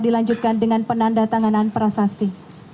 dilanjutkan dengan penanda tanganan prasasti